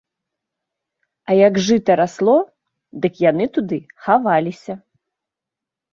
А як жыта расло, дык яны туды хаваліся.